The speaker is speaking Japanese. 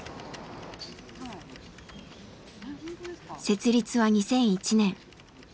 ☎設立は２００１年。